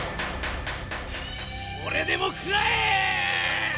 これでも食らえ！